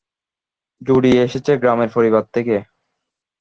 জুডি এসেছে গ্রামের পরিবার থেকে।